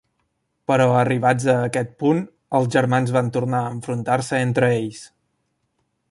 Però arribats a aquest punt els germans van tornar a enfrontar-se entre ells.